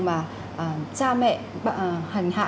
mà cha mẹ hành hạ